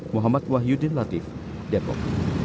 muhammad wahyuddin latif depok